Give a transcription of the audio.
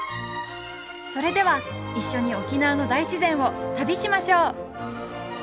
それでは一緒に沖縄の大自然を旅しましょう！